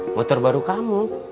motor baru kamu